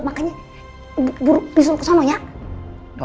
makanya buruk disuruh ke sana ya